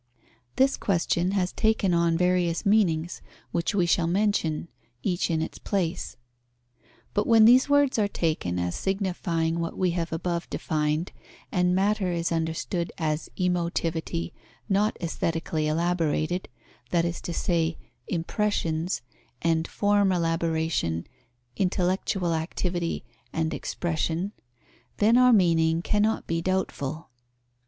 This question has taken on various meanings, which we shall mention, each in its place. But when these words are taken as signifying what we have above defined, and matter is understood as emotivity not aesthetically elaborated, that is to say, impressions, and form elaboration, intellectual activity and expression, then our meaning cannot be doubtful.